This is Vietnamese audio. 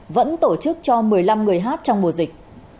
vẫn tổ chức cho một mươi năm người hát trong mùa dịch